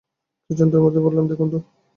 কী যন্ত্রণার মধ্যে পড়লাম দেখুন তো!